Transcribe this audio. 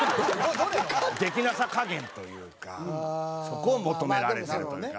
できなさ加減というかそこを求められてるというか。